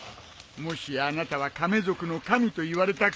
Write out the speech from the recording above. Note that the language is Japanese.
もしやあなたは亀族の神といわれた亀。